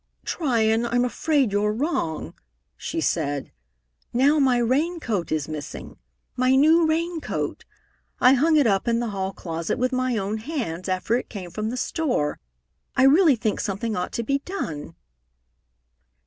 "Tryon, I'm afraid you're wrong," she said. "Now my rain coat is missing. My new rain coat! I hung it up in the hall closet with my own hands, after it came from the store. I really think something ought to be done!"